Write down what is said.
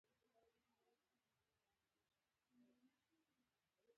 هلک د خپلې ټولنې مشري کوي.